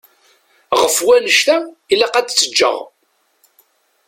Ɣef wannect-a ilaq ad tt-ǧǧeɣ.